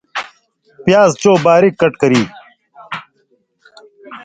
پیاز چو باریک کٹ کرے